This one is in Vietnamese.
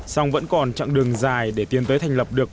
song vẫn còn chặng đường dài để tiến tới thành lập được